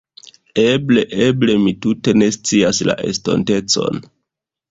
Eble, eble. Mi tute ne scias la estontecon